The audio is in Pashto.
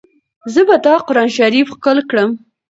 زه به دا قرانشریف ښکل کړم.